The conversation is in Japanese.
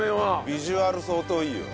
ビジュアル相当いいよ。